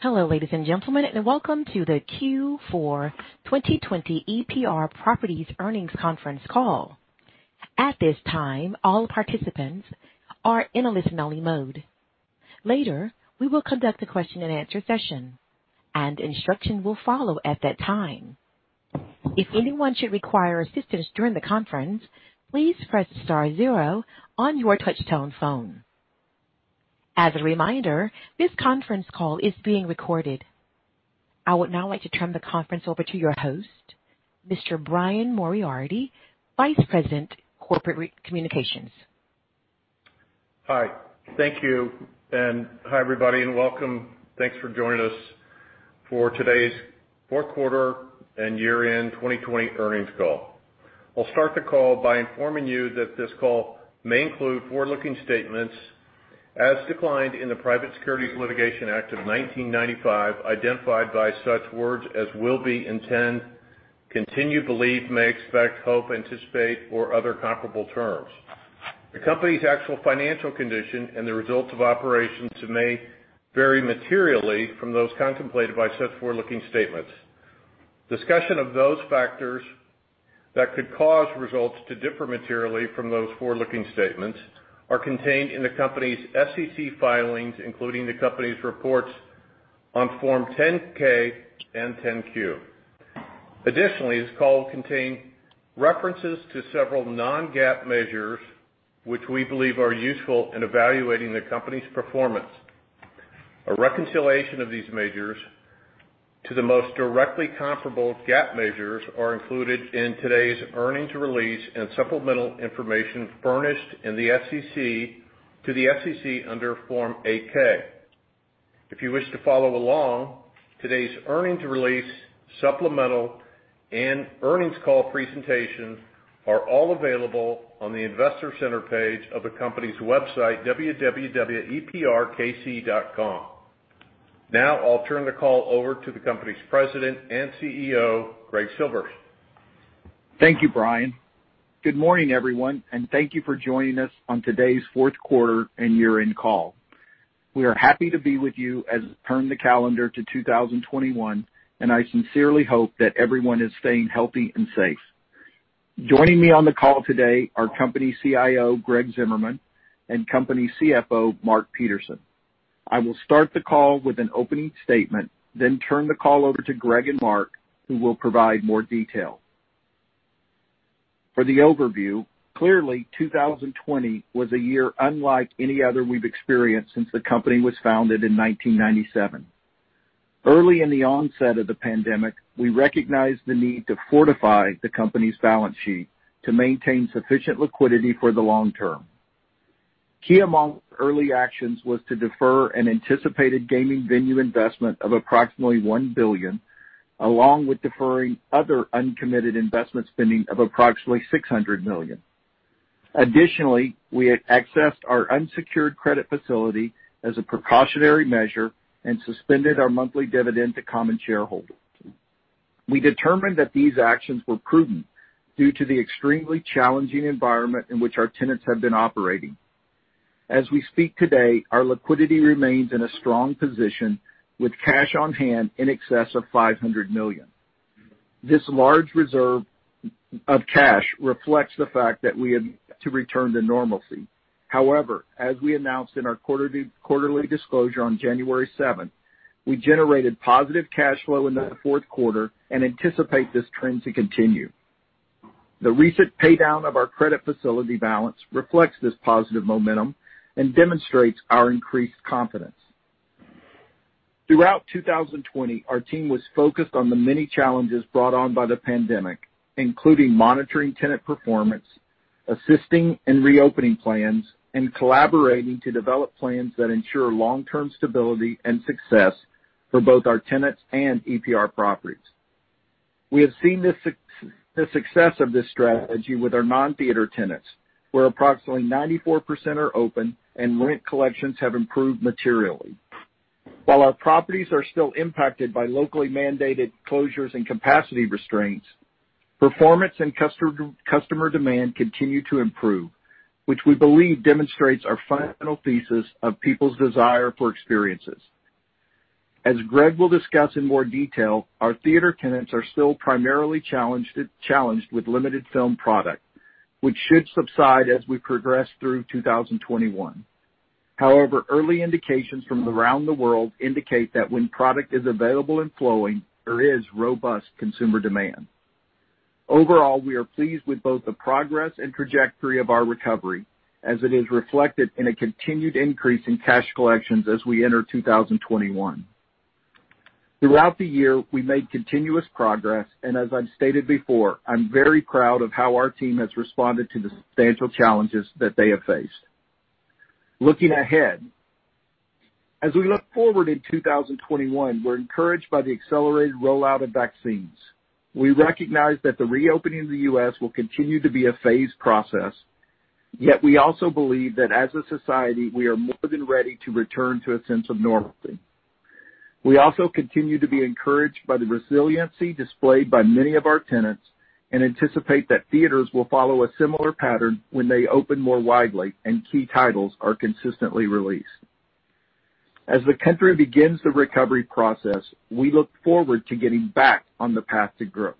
Hello, ladies and gentlemen, and welcome to the Q4 2020 EPR Properties Earnings Conference Call. At this time, all participants are in a listen-only mode. Later we will conduct a question-and-answer session, and instruction will follow at that time. If anyone should require assistance during the conference, please press star zero on your touchtone phone. As a reminder, this conference call is being recorded. I would now like to turn the conference over to your host, Mr. Brian Moriarty, Vice President, Corporate Communications. Hi. Thank you, and hi, everybody, and welcome. Thanks for joining us for today's fourth quarter and year-end 2020 earnings call. I'll start the call by informing you that this call may include forward-looking statements as defined in the Private Securities Litigation Reform Act of 1995, identified by such words as will be, intend, continue, believe, may, expect, hope, anticipate, or other comparable terms. Discussion of those factors that could cause results to differ materially from those forward-looking statements are contained in the company's SEC filings, including the company's reports on Form 10-K and 10-Q. Additionally, this call will contain references to several non-GAAP measures which we believe are useful in evaluating the company's performance. A reconciliation of these measures to the most directly comparable GAAP measures are included in today's earnings release and supplemental information furnished to the SEC under Form 8-K. If you wish to follow along, today's earnings release, supplemental, and earnings call presentation are all available on the investor center page of the company's website, eprkc.com. Now, I'll turn the call over to the company's President and CEO, Greg Silvers. Thank you, Brian. Good morning, everyone, and thank you for joining us on today's fourth quarter and year-end call. We are happy to be with you as we turn the calendar to 2021, and I sincerely hope that everyone is staying healthy and safe. Joining me on the call today are company CIO Greg Zimmerman and company CFO Mark Peterson. I will start the call with an opening statement, then turn the call over to Greg and Mark, who will provide more detail. For the overview, clearly, 2020 was a year unlike any other we've experienced since the company was founded in 1997. Early in the onset of the pandemic, we recognized the need to fortify the company's balance sheet to maintain sufficient liquidity for the long-term. Key among early actions was to defer an anticipated gaming venue investment of approximately $1 billion, along with deferring other uncommitted investment spending of approximately $600 million. Additionally, we had accessed our unsecured credit facility as a precautionary measure and suspended our monthly dividend to common shareholders. We determined that these actions were prudent due to the extremely challenging environment in which our tenants have been operating. As we speak today, our liquidity remains in a strong position with cash on hand in excess of $500 million. This large reserve of cash reflects the fact that we have to return to normalcy. However, as we announced in our quarterly disclosure on January 7th, we generated positive cash flow in the fourth quarter and anticipate this trend to continue. The recent pay-down of our credit facility balance reflects this positive momentum and demonstrates our increased confidence. Throughout 2020, our team was focused on the many challenges brought on by the pandemic, including monitoring tenant performance, assisting in reopening plans, and collaborating to develop plans that ensure long-term stability and success for both our tenants and EPR Properties. We have seen the success of this strategy with our non-theater tenants, where approximately 94% are open and rent collections have improved materially. While our properties are still impacted by locally mandated closures and capacity restraints, performance and customer demand continue to improve, which we believe demonstrates our fundamental thesis of people's desire for experiences. As Greg will discuss in more detail, our theater tenants are still primarily challenged with limited film product, which should subside as we progress through 2021. Early indications from around the world indicate that when product is available and flowing, there is robust consumer demand. Overall, we are pleased with both the progress and trajectory of our recovery as it is reflected in a continued increase in cash collections as we enter 2021. Throughout the year, we made continuous progress, and as I've stated before, I'm very proud of how our team has responded to the substantial challenges that they have faced. Looking ahead, as we look forward in 2021, we're encouraged by the accelerated rollout of vaccines. We recognize that the reopening of the U.S. will continue to be a phased process, yet we also believe that as a society, we are more than ready to return to a sense of normalcy. We also continue to be encouraged by the resiliency displayed by many of our tenants. Anticipate that theaters will follow a similar pattern when they open more widely and key titles are consistently released. As the country begins the recovery process, we look forward to getting back on the path to growth.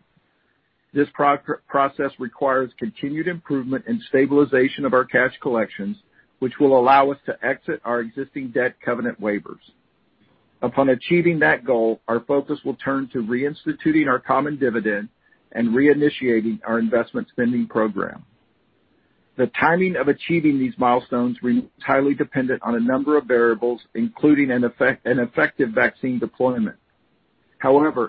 This process requires continued improvement and stabilization of our cash collections, which will allow us to exit our existing debt covenant waivers. Upon achieving that goal, our focus will turn to reinstituting our common dividend and reinitiating our investment spending program. The timing of achieving these milestones remains highly dependent on a number of variables, including an effective vaccine deployment.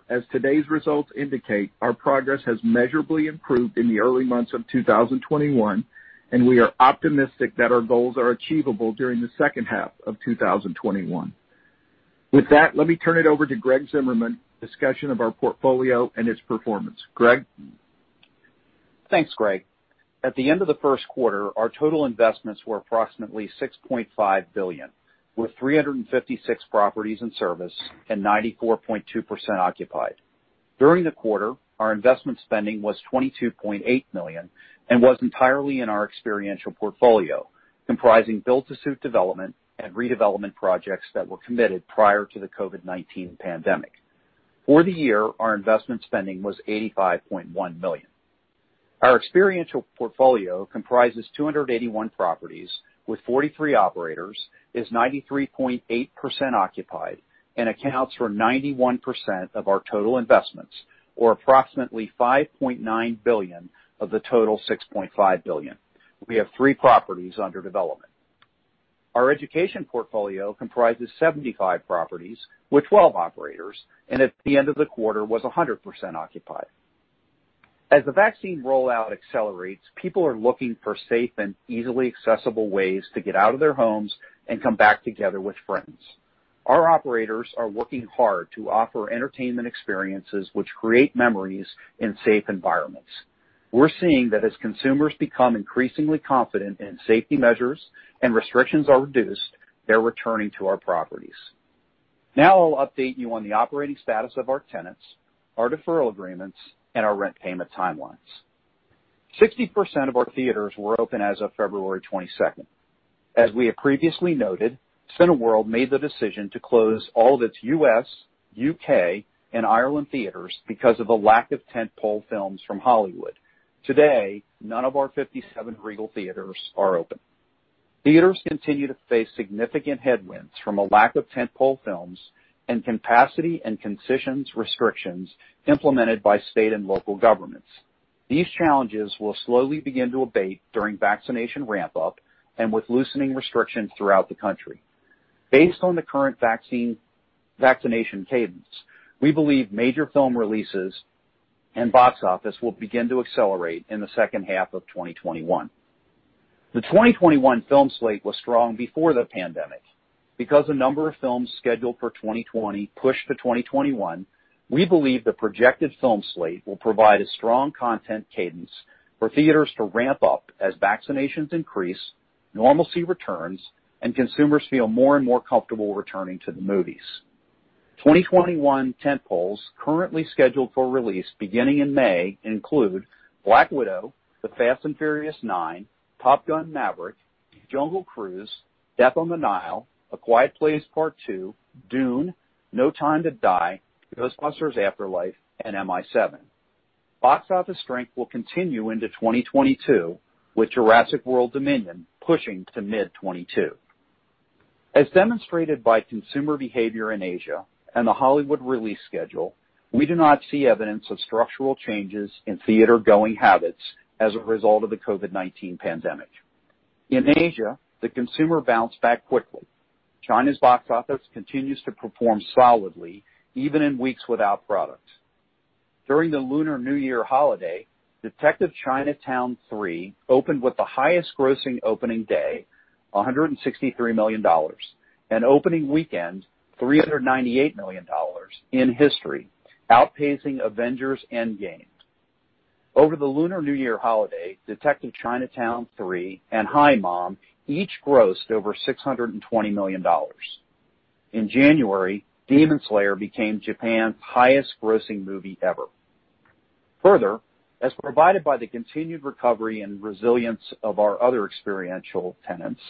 As today's results indicate, our progress has measurably improved in the early months of 2021, and we are optimistic that our goals are achievable during the second half of 2021. With that, let me turn it over to Greg Zimmerman, discussion of our portfolio and its performance. Greg? Thanks, Greg. At the end of the first quarter, our total investments were approximately $6.5 billion, with 356 properties in service and 94.2% occupied. During the quarter, our investment spending was $22.8 million and was entirely in our experiential portfolio, comprising build-to-suit development and redevelopment projects that were committed prior to the COVID-19 pandemic. For the year, our investment spending was $85.1 million. Our experiential portfolio comprises 281 properties with 43 operators, is 93.8% occupied, and accounts for 91% of our total investments, or approximately $5.9 billion of the total $6.5 billion. We have three properties under development. Our education portfolio comprises 75 properties with 12 operators and at the end of the quarter was 100% occupied. As the vaccine rollout accelerates, people are looking for safe and easily accessible ways to get out of their homes and come back together with friends. Our operators are working hard to offer entertainment experiences which create memories in safe environments. We're seeing that as consumers become increasingly confident in safety measures and restrictions are reduced, they're returning to our properties. Now I'll update you on the operating status of our tenants, our deferral agreements, and our rent payment timelines. 60% of our theaters were open as of February 22nd. As we have previously noted, Cineworld made the decision to close all of its U.S., U.K., and Ireland theaters because of a lack of tent-pole films from Hollywood. Today, none of our 57 Regal Cinemas are open. Theaters continue to face significant headwinds from a lack of tent-pole films and capacity and concession restrictions implemented by state and local governments. These challenges will slowly begin to abate during vaccination ramp-up and with loosening restrictions throughout the country. Based on the current vaccination cadence, we believe major film releases and box office will begin to accelerate in the second half of 2021. The 2021 film slate was strong before the pandemic. Because a number of films scheduled for 2020 pushed to 2021, we believe the projected film slate will provide a strong content cadence for theaters to ramp up as vaccinations increase, normalcy returns, and consumers feel more and more comfortable returning to the movies. 2021 tent-poles currently scheduled for release beginning in May include Black Widow, The Fast & Furious 9, Top Gun: Maverick, Jungle Cruise, Death on the Nile, A Quiet Place Part II, Dune, No Time to Die, Ghostbusters: Afterlife, and MI 7. Box office strength will continue into 2022, with Jurassic World Dominion pushing to mid 2022. As demonstrated by consumer behavior in Asia and the Hollywood release schedule, we do not see evidence of structural changes in theater-going habits as a result of the COVID-19 pandemic. In Asia, the consumer bounced back quickly. China's box office continues to perform solidly, even in weeks without product. During the Lunar New Year holiday, Detective Chinatown 3 opened with the highest grossing opening day, $163 million, and opening weekend, $398 million in history, outpacing Avengers: Endgame. Over the Lunar New Year holiday, Detective Chinatown 3 and Hi, Mom each grossed over $620 million. In January, Demon Slayer became Japan's highest grossing movie ever. Further, as provided by the continued recovery and resilience of our other experiential tenants,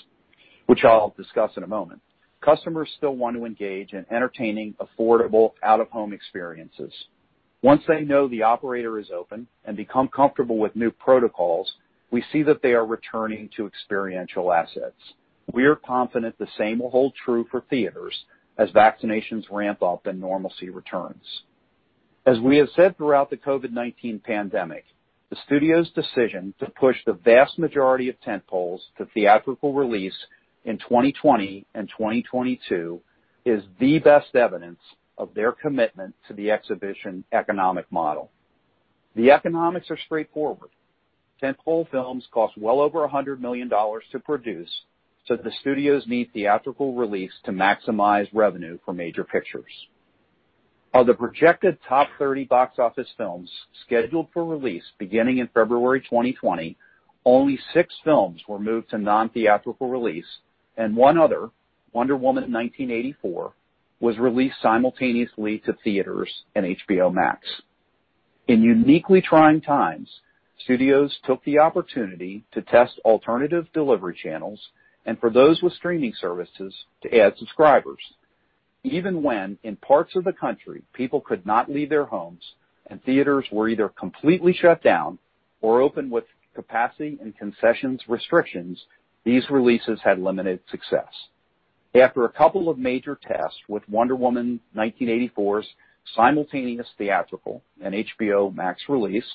which I'll discuss in a moment, customers still want to engage in entertaining, affordable, out-of-home experiences. Once they know the operator is open and become comfortable with new protocols, we see that they are returning to experiential assets. We are confident the same will hold true for theaters as vaccinations ramp up and normalcy returns. As we have said throughout the COVID-19 pandemic, the studio's decision to push the vast majority of tent-poles to theatrical release in 2020 and 2022 is the best evidence of their commitment to the exhibition economic model. The economics are straightforward. Tent-pole films cost well over $100 million to produce, so the studios need theatrical release to maximize revenue for major pictures. Of the projected top 30 box office films scheduled for release beginning in February 2020, only six films were moved to non-theatrical release, and one other, Wonder Woman 1984 was released simultaneously to theaters and HBO Max. In uniquely trying times, studios took the opportunity to test alternative delivery channels, and for those with streaming services, to add subscribers. Even when, in parts of the country, people could not leave their homes and theaters were either completely shut down or open with capacity and concessions restrictions, these releases had limited success. After a couple of major tests with Wonder Woman 1984's simultaneous theatrical and HBO Max release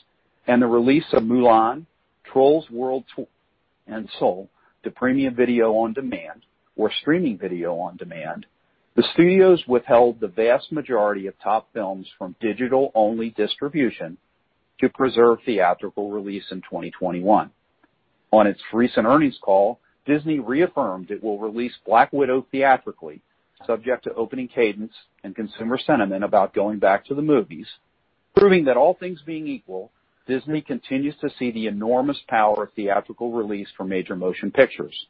and the release of Mulan, Trolls World Tour, and Soul to premium video on demand or streaming video on demand, the studios withheld the vast majority of top films from digital-only distribution to preserve theatrical release in 2021. On its recent earnings call, Disney reaffirmed it will release Black Widow theatrically, subject to opening cadence and consumer sentiment about going back to the movies, proving that all things being equal, Disney continues to see the enormous power of theatrical release for major motion pictures.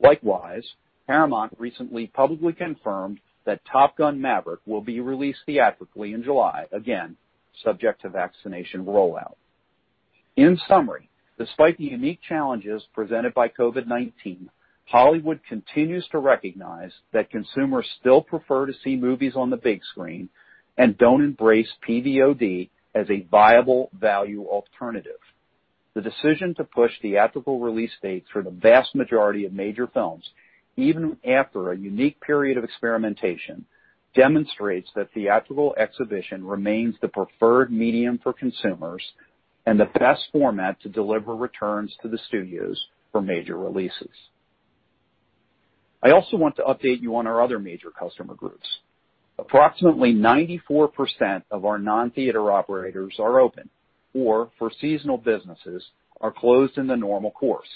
Likewise, Paramount recently publicly confirmed that Top Gun: Maverick will be released theatrically in July, again, subject to vaccination rollout. In summary, despite the unique challenges presented by COVID-19, Hollywood continues to recognize that consumers still prefer to see movies on the big screen and don't embrace PVOD as a viable value alternative. The decision to push theatrical release dates for the vast majority of major films, even after a unique period of experimentation, demonstrates that theatrical exhibition remains the preferred medium for consumers and the best format to deliver returns to the studios for major releases. I also want to update you on our other major customer groups. Approximately 94% of our non-theater operators are open, or for seasonal businesses, are closed in the normal course.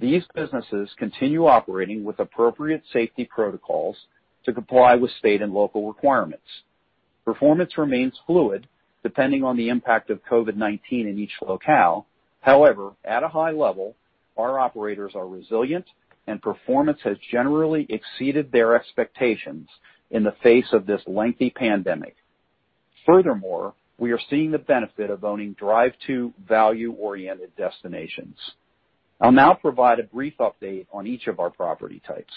These businesses continue operating with appropriate safety protocols to comply with state and local requirements. Performance remains fluid depending on the impact of COVID-19 in each locale. However, at a high level, our operators are resilient and performance has generally exceeded their expectations in the face of this lengthy pandemic. Furthermore, we are seeing the benefit of owning drive-to value-oriented destinations. I'll now provide a brief update on each of our property types.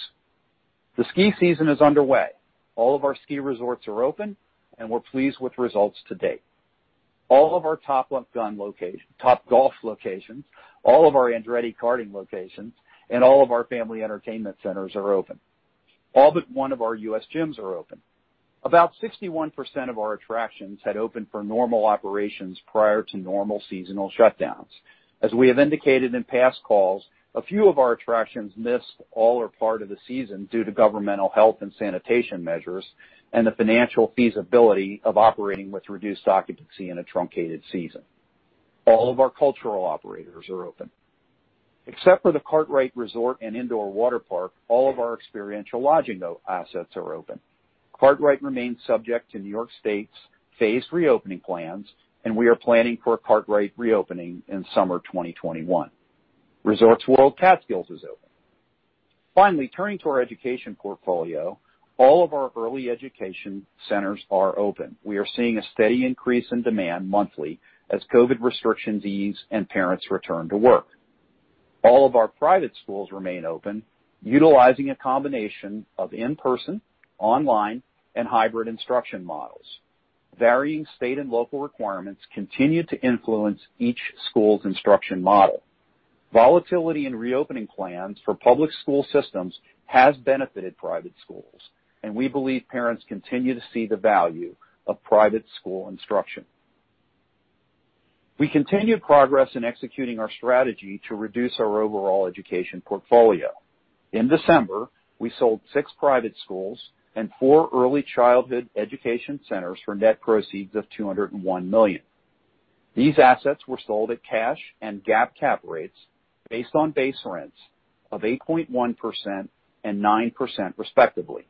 The ski season is underway. All of our ski resorts are open, and we're pleased with results to date. All of our Topgolf locations, all of our Andretti Karting locations, and all of our family entertainment centers are open. All but one of our U.S. gyms are open. About 61% of our attractions had opened for normal operations prior to normal seasonal shutdowns. As we have indicated in past calls, a few of our attractions missed all or part of the season due to governmental health and sanitation measures and the financial feasibility of operating with reduced occupancy in a truncated season. All of our cultural operators are open. Except for the Kartrite Resort & Indoor Water Park, all of our experiential lodging assets are open. Kartrite remains subject to New York State's phased reopening plans, and we are planning for a Kartrite reopening in summer 2021. Resorts World Catskills is open. Finally, turning to our education portfolio, all of our early education centers are open. We are seeing a steady increase in demand monthly as COVID restrictions ease and parents return to work. All of our private schools remain open, utilizing a combination of in-person, online, and hybrid instruction models. Varying state and local requirements continue to influence each school's instruction model. Volatility in reopening plans for public school systems has benefited private schools, and we believe parents continue to see the value of private school instruction. We continue progress in executing our strategy to reduce our overall education portfolio. In December, we sold six private schools and four early childhood education centers for net proceeds of $201 million. These assets were sold at cash and GAAP cap rates based on base rents of 8.1% and 9% respectively.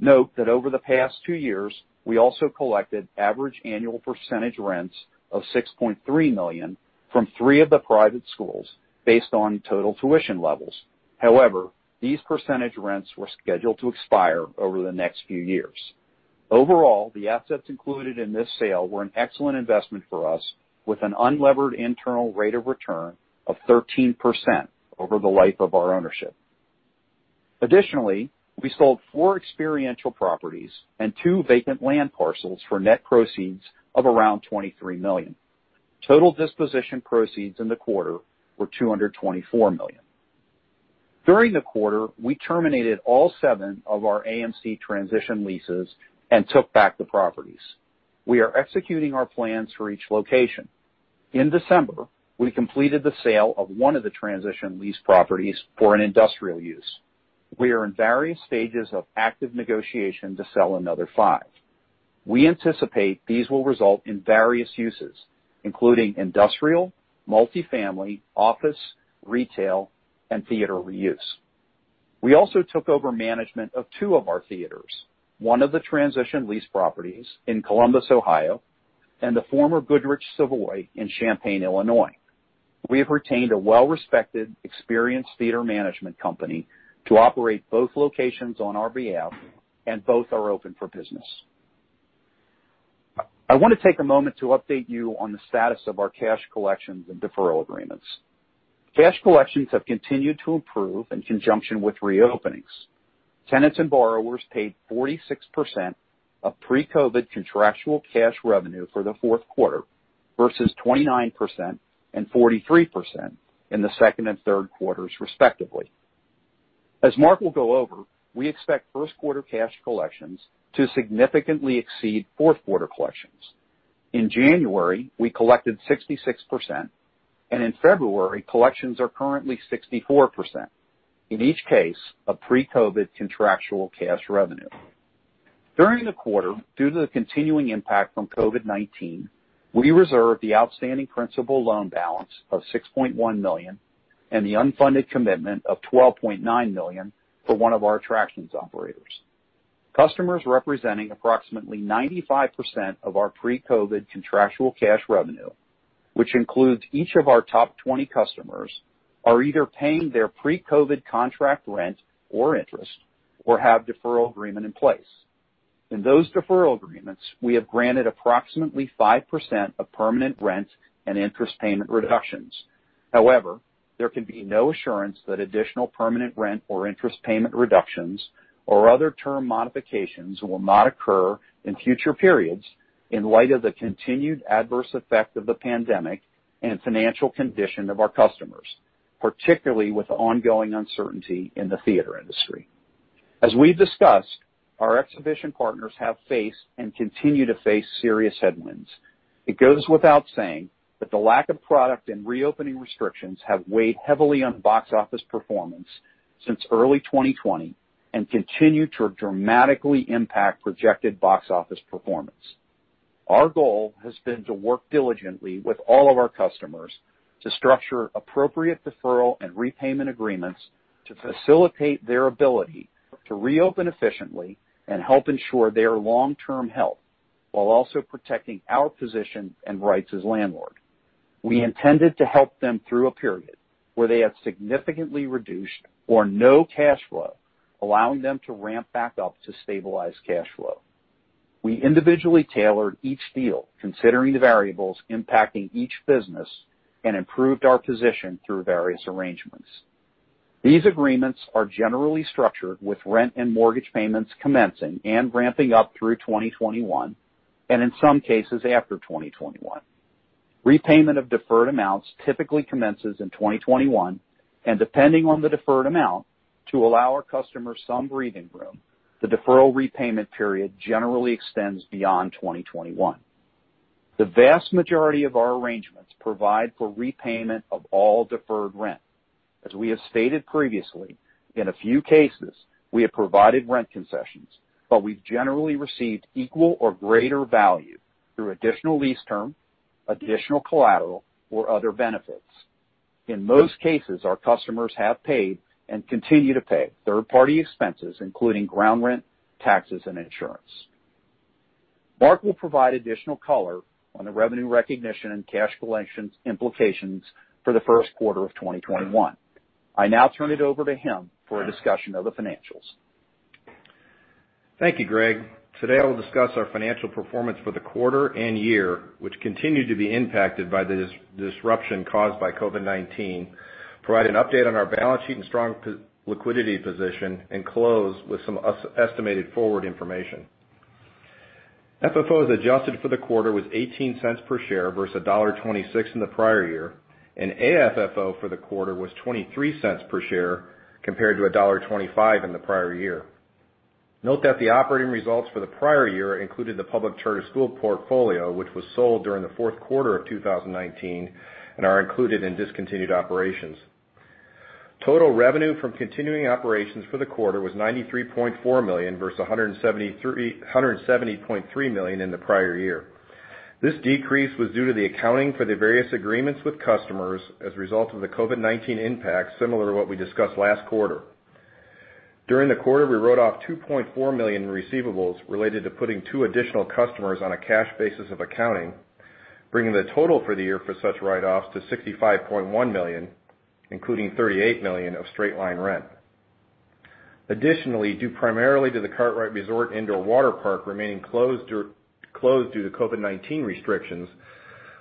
Note that over the past two years, we also collected average annual percentage rents of $6.3 million from three of the private schools based on total tuition levels. However, these percentage rents were scheduled to expire over the next few years. Overall, the assets included in this sale were an excellent investment for us with an unlevered internal rate of return of 13% over the life of our ownership. Additionally, we sold four experiential properties and two vacant land parcels for net proceeds of around $23 million. Total disposition proceeds in the quarter were $224 million. During the quarter, we terminated all seven of our AMC transition leases and took back the properties. We are executing our plans for each location. In December, we completed the sale of one of the transition lease properties for an industrial use. We are in various stages of active negotiation to sell another five. We anticipate these will result in various uses, including industrial, multifamily, office, retail, and theater reuse. We also took over management of two of our theaters, one of the transition lease properties in Columbus, Ohio, and the former Goodrich Savoy in Champaign, Illinois. We have retained a well-respected, experienced theater management company to operate both locations on our behalf, and both are open for business. I want to take a moment to update you on the status of our cash collections and deferral agreements. Cash collections have continued to improve in conjunction with reopenings. Tenants and borrowers paid 46% of pre-COVID contractual cash revenue for the fourth quarter versus 29% and 43% in the second and third quarters, respectively. As Mark will go over, we expect first quarter cash collections to significantly exceed fourth quarter collections. In January, we collected 66%, and in February, collections are currently 64%, in each case, of pre-COVID contractual cash revenue. During the quarter, due to the continuing impact from COVID-19, we reserved the outstanding principal loan balance of $6.1 million and the unfunded commitment of $12.9 million for one of our attractions operators. Customers representing approximately 95% of our pre-COVID contractual cash revenue, which includes each of our top 20 customers, are either paying their pre-COVID contract rent or interest or have deferral agreement in place. In those deferral agreements, we have granted approximately 5% of permanent rent and interest payment reductions. However, there can be no assurance that additional permanent rent or interest payment reductions or other term modifications will not occur in future periods in light of the continued adverse effect of the pandemic and financial condition of our customers, particularly with the ongoing uncertainty in the theater industry. As we've discussed, our exhibition partners have faced and continue to face serious headwinds. It goes without saying that the lack of product and reopening restrictions have weighed heavily on box office performance since early 2020 and continue to dramatically impact projected box office performance. Our goal has been to work diligently with all of our customers to structure appropriate deferral and repayment agreements to facilitate their ability to reopen efficiently and help ensure their long-term health while also protecting our position and rights as landlord. We intended to help them through a period where they had significantly reduced or no cash flow, allowing them to ramp back up to stabilize cash flow. We individually tailored each deal considering the variables impacting each business and improved our position through various arrangements. These agreements are generally structured with rent and mortgage payments commencing and ramping up through 2021, and in some cases, after 2021. Repayment of deferred amounts typically commences in 2021, and depending on the deferred amount, to allow our customers some breathing room, the deferral repayment period generally extends beyond 2021. The vast majority of our arrangements provide for repayment of all deferred rent. As we have stated previously, in a few cases, we have provided rent concessions, but we've generally received equal or greater value through additional lease term, additional collateral, or other benefits. In most cases, our customers have paid and continue to pay third-party expenses, including ground rent, taxes, and insurance. Mark will provide additional color on the revenue recognition and cash collections implications for the first quarter of 2021. I now turn it over to him for a discussion of the financials. Thank you, Greg. Today, I will discuss our financial performance for the quarter and year, which continued to be impacted by the disruption caused by COVID-19, provide an update on our balance sheet and strong liquidity position, and close with some estimated forward information. FFO as adjusted for the quarter was $0.18 per share versus $1.26 in the prior year, and AFFO for the quarter was $0.23 per share, compared to $1.25 in the prior year. Note that the operating results for the prior year included the public charter school portfolio, which was sold during the fourth quarter of 2019 and are included in discontinued operations. Total revenue from continuing operations for the quarter was $93.4 million versus $170.3 million in the prior year. This decrease was due to the accounting for the various agreements with customers as a result of the COVID-19 impact, similar to what we discussed last quarter. During the quarter, we wrote off $2.4 million in receivables related to putting two additional customers on a cash basis of accounting, bringing the total for the year for such write-offs to $65.1 million, including $38 million of straight-line rent. Additionally, due primarily to The Kartrite Resort & Indoor Waterpark remaining closed due to COVID-19 restrictions,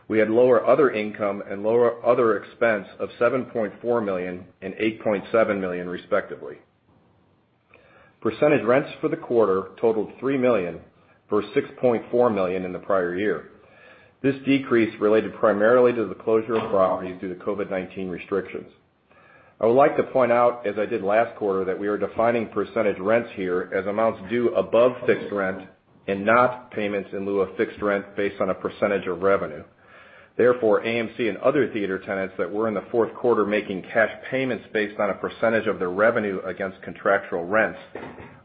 we had lower other income and lower other expense of $7.4 million and $8.7 million, respectively. Percentage rents for the quarter totaled $3 million versus $6.4 million in the prior year. This decrease related primarily to the closure of properties due to COVID-19 restrictions. I would like to point out, as I did last quarter, that we are defining percentage rents here as amounts due above fixed rent and not payments in lieu of fixed rent based on a percentage of revenue. Therefore, AMC and other theater tenants that were in the fourth quarter making cash payments based on a percentage of their revenue against contractual rents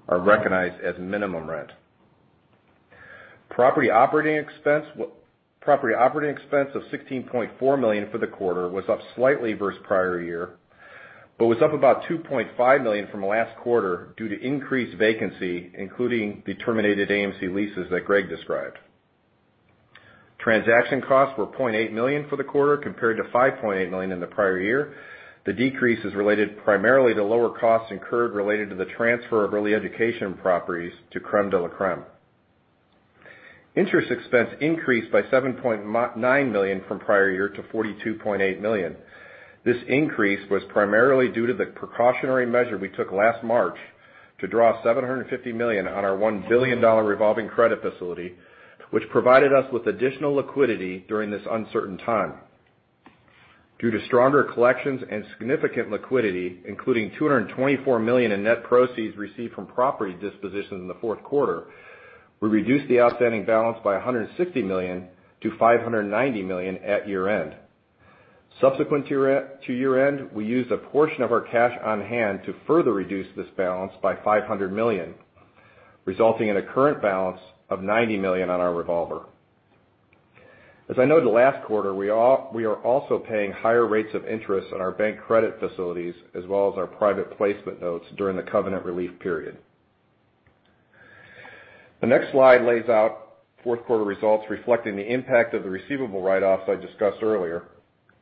are recognized as minimum rent. Property operating expense of $16.4 million for the quarter was up slightly versus prior year. Was up about $2.5 million from last quarter due to increased vacancy, including the terminated AMC leases that Greg described. Transaction costs were $0.8 million for the quarter, compared to $5.8 million in the prior year. The decrease is related primarily to lower costs incurred related to the transfer of early education properties to Crème de la Crème. Interest expense increased by $7.9 million from prior year to $42.8 million. This increase was primarily due to the precautionary measure we took last March to draw $750 million on our $1 billion revolving credit facility, which provided us with additional liquidity during this uncertain time. Due to stronger collections and significant liquidity, including $224 million in net proceeds received from property dispositions in the fourth quarter, we reduced the outstanding balance by $160 million to $590 million at year-end. Subsequent to year-end, we used a portion of our cash on hand to further reduce this balance by $500 million, resulting in a current balance of $90 million on our revolver. As I noted last quarter, we are also paying higher rates of interest on our bank credit facilities as well as our private placement notes during the covenant relief period. The next slide lays out fourth quarter results reflecting the impact of the receivable write-offs I discussed earlier.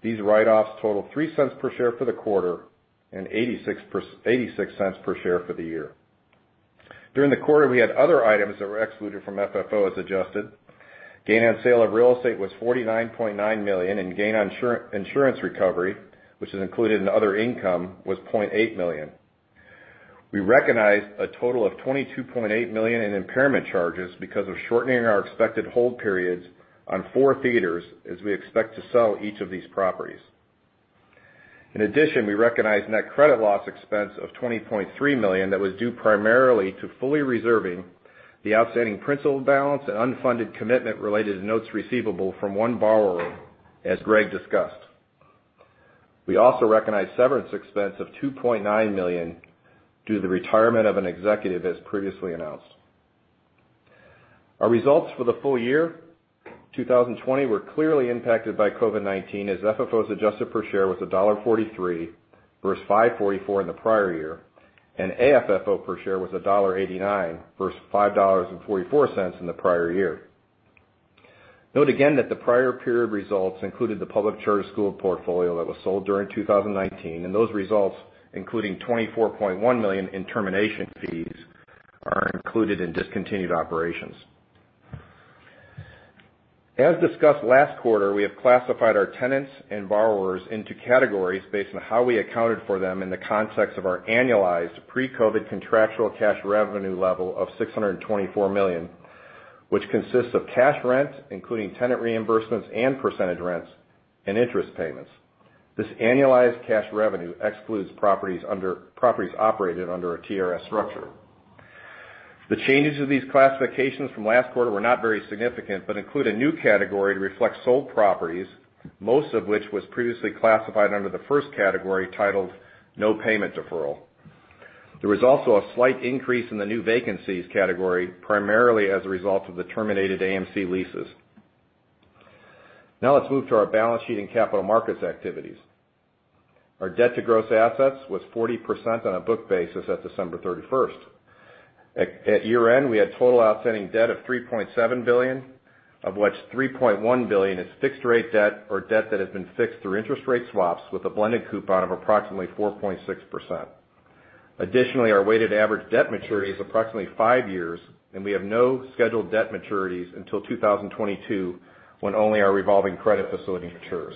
These write-offs total $0.03 per share for the quarter and $0.86 per share for the year. During the quarter, we had other items that were excluded from FFO as adjusted. Gain on sale of real estate was $49.9 million, and gain on insurance recovery, which is included in other income, was $0.8 million. We recognized a total of $22.8 million in impairment charges because of shortening our expected hold periods on four theaters, as we expect to sell each of these properties. In addition, we recognized net credit loss expense of $20.3 million that was due primarily to fully reserving the outstanding principal balance and unfunded commitment related to notes receivable from one borrower, as Greg discussed. We also recognized severance expense of $2.9 million due to the retirement of an executive, as previously announced. Our results for the full year 2020 were clearly impacted by COVID-19, as FFO as adjusted per share was $1.43 versus $5.44 in the prior year, and AFFO per share was $1.89 versus $5.44 in the prior year. Note again that the prior period results included the public charter school portfolio that was sold during 2019, and those results, including $24.1 million in termination fees, are included in discontinued operations. As discussed last quarter, we have classified our tenants and borrowers into categories based on how we accounted for them in the context of our annualized pre-COVID contractual cash revenue level of $624 million, which consists of cash rents, including tenant reimbursements and percentage rents and interest payments. This annualized cash revenue excludes properties operated under a TRS structure. The changes to these classifications from last quarter were not very significant, but include a new category to reflect sold properties, most of which was previously classified under the first category titled "No payment deferral." There was also a slight increase in the new vacancies category, primarily as a result of the terminated AMC leases. Now let's move to our balance sheet and capital markets activities. Our debt to gross assets was 40% on a book basis at December 31st. At year-end, we had total outstanding debt of $3.7 billion, of which $3.1 billion is fixed-rate debt or debt that has been fixed through interest rate swaps with a blended coupon of approximately 4.6%. Additionally, our weighted average debt maturity is approximately five years, and we have no scheduled debt maturities until 2022, when only our revolving credit facility matures.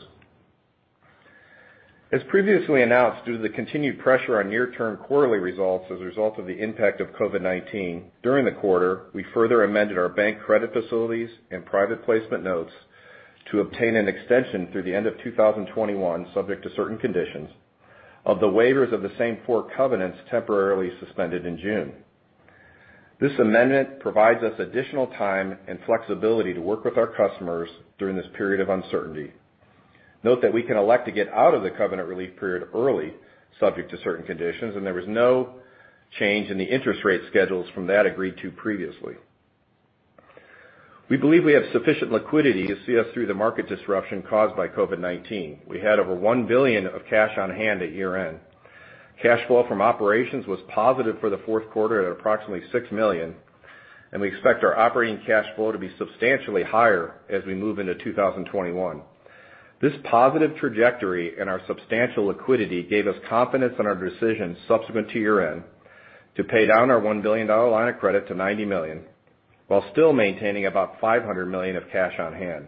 As previously announced, due to the continued pressure on near-term quarterly results as a result of the impact of COVID-19, during the quarter, we further amended our bank credit facilities and private placement notes to obtain an extension through the end of 2021, subject to certain conditions, of the waivers of the same four covenants temporarily suspended in June. This amendment provides us additional time and flexibility to work with our customers during this period of uncertainty. Note that we can elect to get out of the covenant relief period early, subject to certain conditions, and there was no change in the interest rate schedules from that agreed to previously. We believe we have sufficient liquidity to see us through the market disruption caused by COVID-19. We had over $1 billion of cash on hand at year-end. Cash flow from operations was positive for the fourth quarter at approximately $6 million, and we expect our operating cash flow to be substantially higher as we move into 2021. This positive trajectory and our substantial liquidity gave us confidence in our decision subsequent to year-end to pay down our $1 billion line of credit to $90 million while still maintaining about $500 million of cash on hand.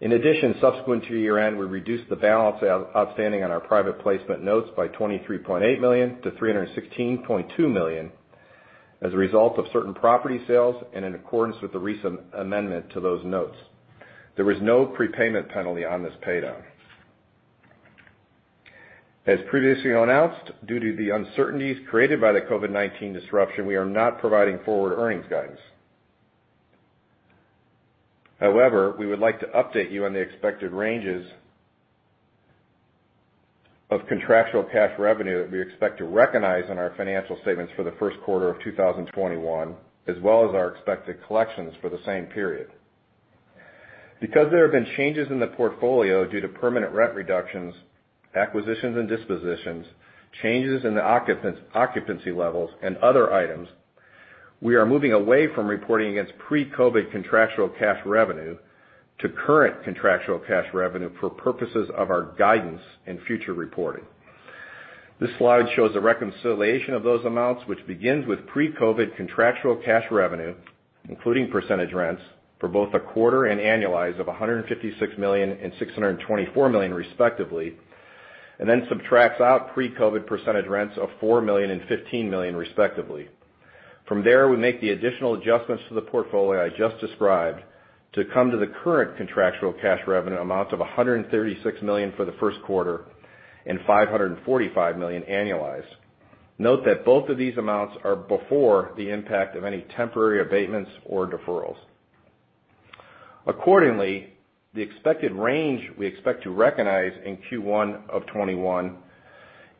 In addition, subsequent to year-end, we reduced the balance outstanding on our private placement notes by $23.8 million to $316.2 million as a result of certain property sales and in accordance with the recent amendment to those notes. There was no prepayment penalty on this paydown. As previously announced, due to the uncertainties created by the COVID-19 disruption, we are not providing forward earnings guidance. We would like to update you on the expected ranges of contractual cash revenue that we expect to recognize in our financial statements for the first quarter of 2021, as well as our expected collections for the same period. There have been changes in the portfolio due to permanent rent reductions, acquisitions and dispositions, changes in the occupancy levels, and other items, we are moving away from reporting against pre-COVID contractual cash revenue to current contractual cash revenue for purposes of our guidance and future reporting. This slide shows a reconciliation of those amounts, which begins with pre-COVID contractual cash revenue, including percentage rents for both the quarter and annualized of $156 million and $624 million, respectively, and then subtracts out pre-COVID percentage rents of $4 million and $15 million, respectively. From there, we make the additional adjustments to the portfolio I just described to come to the current contractual cash revenue amounts of $136 million for the first quarter and $545 million annualized. Note that both of these amounts are before the impact of any temporary abatements or deferrals. Accordingly, the expected range we expect to recognize in Q1 of 2021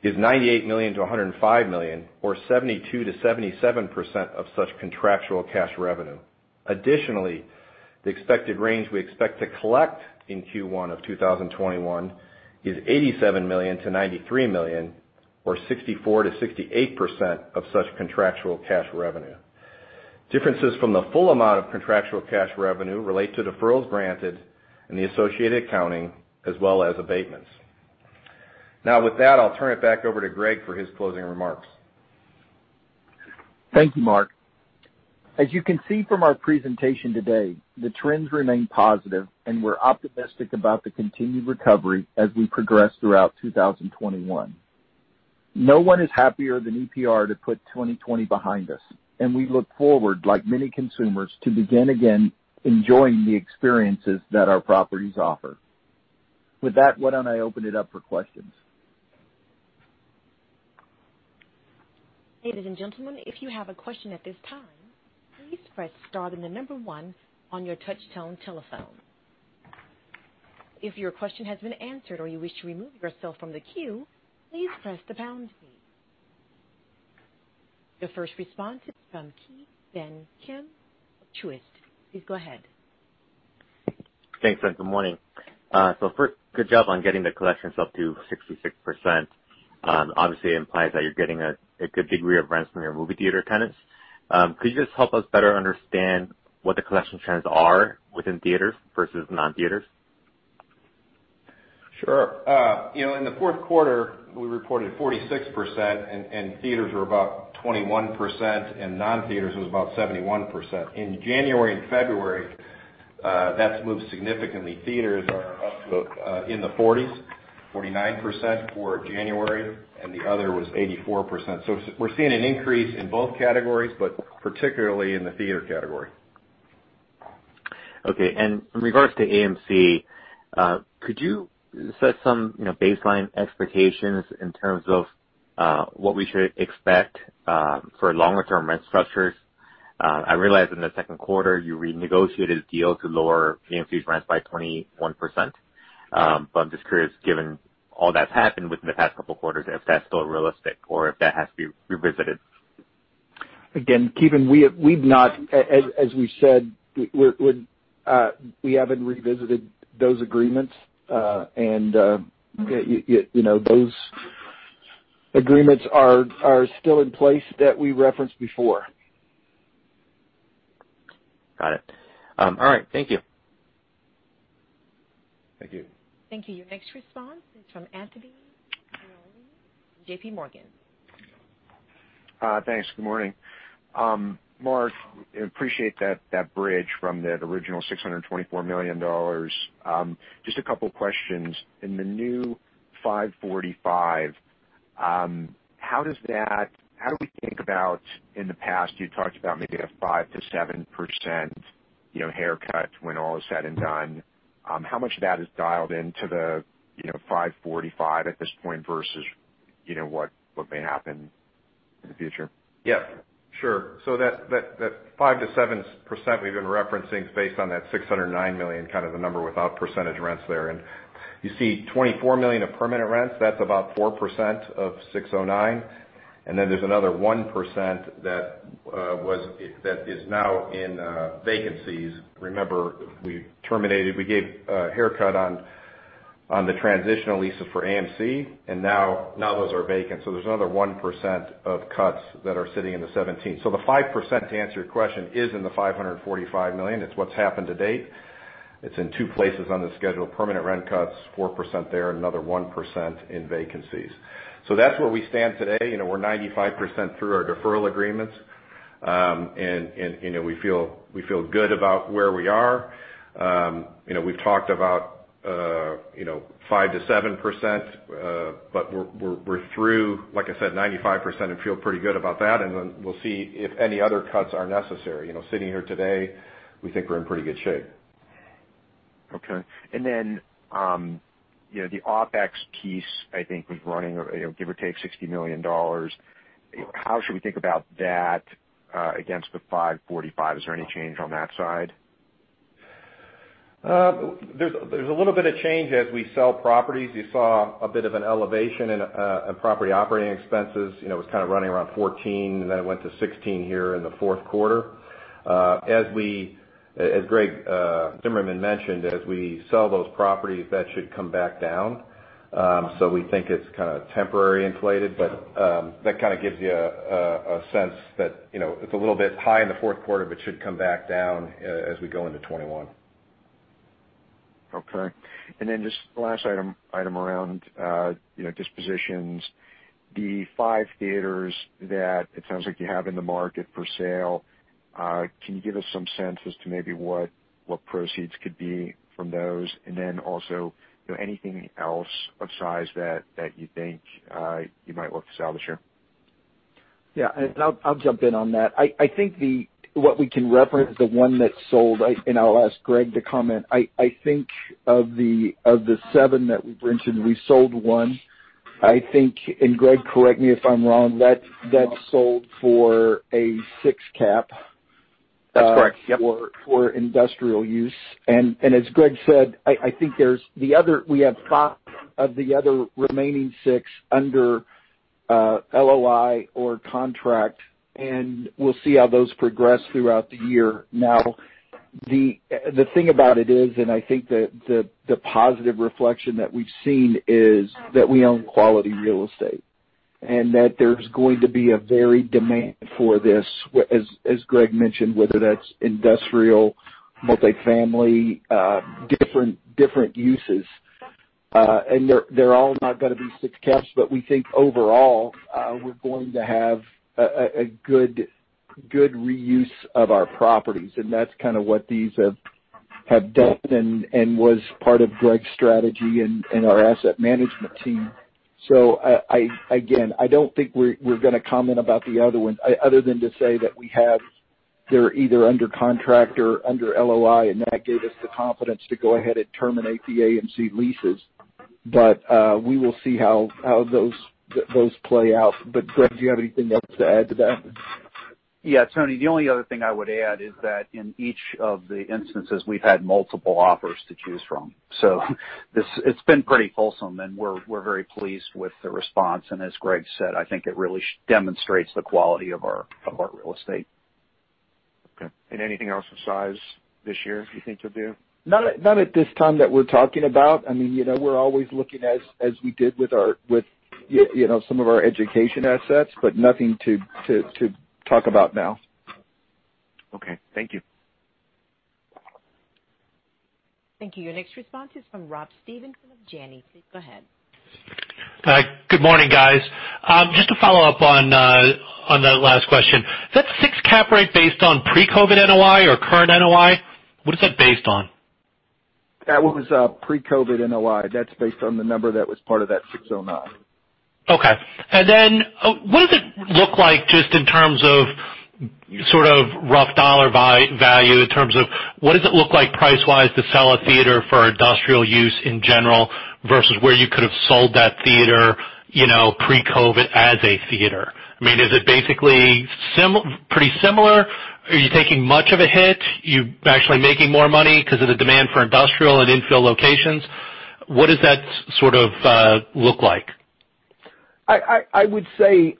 is $98 million-$105 million or 72%-77% of such contractual cash revenue. Additionally, the expected range we expect to collect in Q1 of 2021 is $87 million-$93 million or 64%-68% of such contractual cash revenue. Differences from the full amount of contractual cash revenue relate to deferrals granted and the associated accounting as well as abatements. Now, with that, I'll turn it back over to Greg for his closing remarks. Thank you, Mark. As you can see from our presentation today, the trends remain positive. We're optimistic about the continued recovery as we progress throughout 2021. No one is happier than EPR to put 2020 behind us. We look forward, like many consumers, to begin again enjoying the experiences that our properties offer. With that, why don't I open it up for questions? Ladies and gentlemen, if you have a question at this time, please press star then the number one on your touchtone telephone. If your question has been answered or you wish to remove yourself from the queue, please press the pound key. Your first response is from Ki Bin Kim, Truist. Please go ahead. Thanks, good morning. First, good job on getting the collections up to 66%. Obviously, it implies that you're getting a good degree of rents from your movie theater tenants. Could you just help us better understand what the collection trends are within theaters versus non-theaters? Sure. In the fourth quarter, we reported 46%, and theaters were about 21%, and non-theaters was about 71%. In January and February, that's moved significantly. Theaters are up to in the 40s, 49% for January, and the other was 84%. We're seeing an increase in both categories, but particularly in the theater category. Okay. In regards to AMC, could you set some baseline expectations in terms of what we should expect for longer-term rent structures? I realize in the second quarter you renegotiated a deal to lower AMC's rents by 21%, I'm just curious, given all that's happened within the past couple of quarters, if that's still realistic or if that has to be revisited. Again, Ki Bin, as we said, we haven't revisited those agreements. Those agreements are still in place that we referenced before. Got it. All right. Thank you. Thank you. Thank you. Your next response is from Anthony Paolone, JPMorgan. Thanks. Good morning. Mark, appreciate that bridge from that original $624 million. Just a couple of questions. In the new 545, how do we think about in the past you talked about maybe a 5%-7% haircut when all is said and done. How much of that is dialed into the 545 at this point versus what may happen in the future? Yeah, sure. That 5%-7% we've been referencing is based on that $609 million, kind of the number without percentage rents there. You see $24 million of permanent rents, that's about 4% of $609. Then there's another 1% that is now in vacancies. Remember, we gave a haircut on the transitional leases for AMC, now those are vacant. There's another 1% of cuts that are sitting in the 17. The 5%, to answer your question, is in the $545 million. It's what's happened to date. It's in two places on the schedule. Permanent rent cuts, 4% there, another 1% in vacancies. That's where we stand today. We're 95% through our deferral agreements. We feel good about where we are. We've talked about 5%-7%, but we're through, like I said, 95% and feel pretty good about that, and then we'll see if any other cuts are necessary. Sitting here today, we think we're in pretty good shape. Okay. Then the OpEx piece, I think was running give or take $60 million. How should we think about that against the $545? Is there any change on that side? There's a little bit of change as we sell properties. You saw a bit of an elevation in property operating expenses. It was kind of running around 14, and then it went to 16 here in the fourth quarter. As Greg Zimmerman mentioned, as we sell those properties, that should come back down. We think it's kind of temporarily inflated, but that kind of gives you a sense that it's a little bit high in the fourth quarter, but should come back down as we go into 2021. Okay. Just the last item around dispositions, the five theaters that it sounds like you have in the market for sale, can you give us some sense as to maybe what proceeds could be from those? Also, anything else of size that you think you might look to sell this year? Yeah. I'll jump in on that. I think what we can reference, the one that sold, and I'll ask Greg to comment, I think of the seven that we've mentioned, we sold one. I think, and Greg, correct me if I'm wrong, that sold for a six cap That's correct. Yep. --for industrial use. As Greg said, I think we have five of the other remaining six under LOI or contract. We'll see how those progress throughout the year. The thing about it is, and I think the positive reflection that we've seen is that we own quality real estate, and that there's going to be a varied demand for this, as Greg mentioned, whether that's industrial, multifamily, different uses. They're all not going to be six caps, but we think overall, we're going to have a good reuse of our properties, and that's kind of what these have done and was part of Greg's strategy and our asset management team. Again, I don't think we're going to comment about the other ones other than to say that they're either under contract or under LOI, and that gave us the confidence to go ahead and terminate the AMC leases. We will see how those play out. Greg, do you have anything else to add to that? Yeah, Tony, the only other thing I would add is that in each of the instances, we've had multiple offers to choose from. It's been pretty wholesome, and we're very pleased with the response. As Greg said, I think it really demonstrates the quality of our real estate. Okay. Anything else of size this year you think you'll do? Not at this time that we're talking about. We're always looking as we did with some of our education assets, but nothing to talk about now. Okay. Thank you. Thank you. Your next response is from Rob Stevenson of Janney. Please go ahead. Good morning, guys. Just to follow up on the last question, that six cap rate based on pre-COVID NOI or current NOI? What is that based on? That was pre-COVID-19 NOI. That's based on the number that was part of that 609. Okay. Then what does it look like just in terms of sort of rough dollar value in terms of what does it look like price-wise to sell a theater for industrial use in general, versus where you could've sold that theater pre-COVID as a theater? Is it basically pretty similar? Are you taking much of a hit? Are you actually making more money because of the demand for industrial and infill locations? What does that sort of look like? I would say,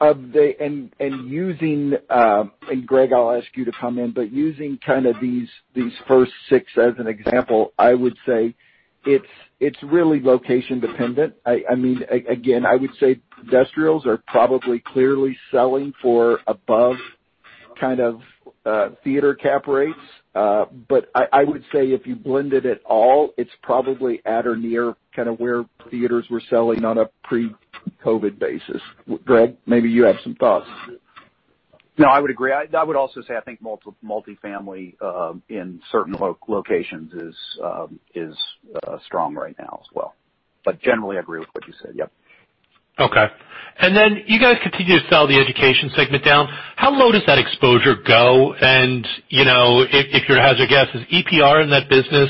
Greg, I'll ask you to comment, but using kind of these first six as an example, I would say it's really location dependent. I would say industrials are probably clearly selling for above kind of theater cap rates. I would say if you blended it all, it's probably at or near kind of where theaters were selling on a pre-COVID basis. Greg, maybe you have some thoughts. No, I would agree. I would also say I think multifamily in certain locations is strong right now as well. Generally, I agree with what you said. Yep. Okay. Then you guys continue to sell the education segment down. How low does that exposure go? If you had to guess, is EPR in that business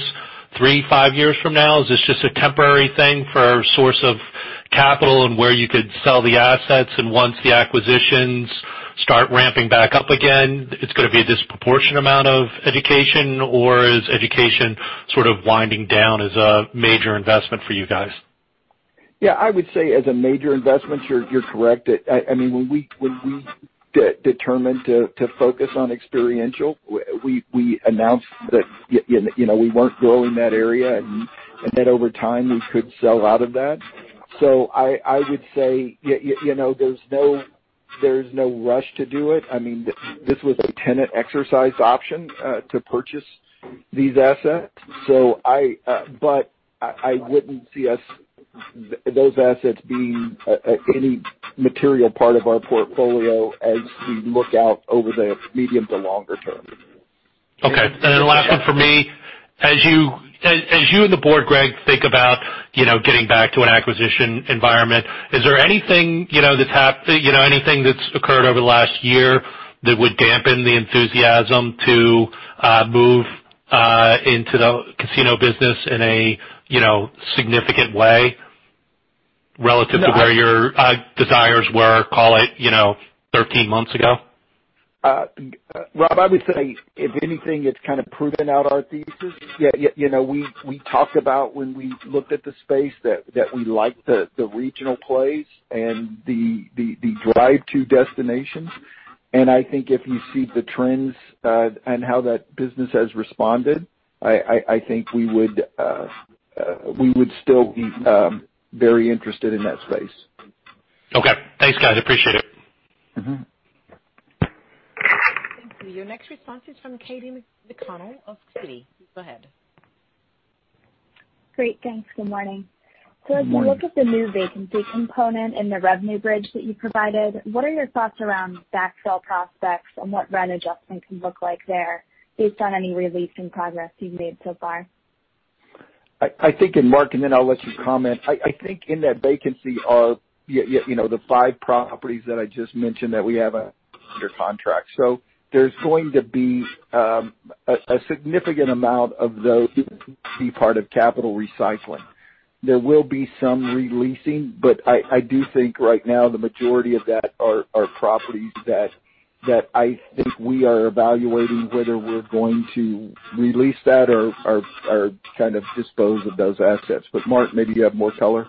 three, five years from now? Is this just a temporary thing for a source of capital and where you could sell the assets, and once the acquisitions start ramping back up again, it's going to be a disproportionate amount of education, or is education sort of winding down as a major investment for you guys? I would say as a major investment, you're correct. When we determined to focus on experiential, we announced that we weren't growing that area, and that over time we could sell out of that. I would say there's no rush to do it. This was a tenant exercise option to purchase these assets. I wouldn't see those assets being any material part of our portfolio as we look out over the medium to longer term. Okay. Last one from me. As you and the board, Greg, think about getting back to an acquisition environment, is there anything that's occurred over the last year that would dampen the enthusiasm to move into the casino business in a significant way? Relative to where your desires were, call it, 13 months ago? Rob, I would say, if anything, it's kind of proven out our thesis. We talked about when we looked at the space that we liked the regional plays and the drive-to destinations, and I think if you see the trends and how that business has responded, I think we would still be very interested in that space. Okay. Thanks, guys. Appreciate it. Thank you. Your next response is from Katy McConnell of Citi. Go ahead. Great. Thanks. Good morning. Good morning. --As you look at the new vacancy component and the revenue bridge that you provided, what are your thoughts around backfill prospects and what rent adjustment can look like there based on any releasing progress you've made so far? I think, and Mark, and then I'll let you comment. I think in that vacancy are the five properties that I just mentioned that we have under contract. There's going to be a significant amount of those be part of capital recycling. There will be some re-leasing, but I do think right now the majority of that are properties that I think we are evaluating whether we're going to re-lease that or kind of dispose of those assets. Mark, maybe you have more color.